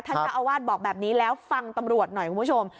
เจ้าอาวาสบอกแบบนี้แล้วฟังตำรวจหน่อยคุณผู้ชม